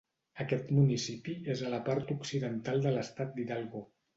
Aquest municipi és a la part occidental de l'estat d'Hidalgo.